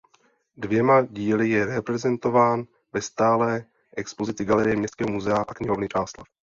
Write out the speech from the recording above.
Dvěma díly je reprezentován ve stálé expozici galerie Městského muzea a knihovny Čáslav.